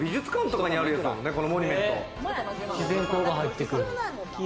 自然光が入ってくる。